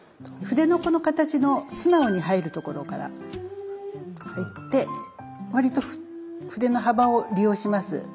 筆のこの形の素直に入るところから入って割と筆の幅を利用します。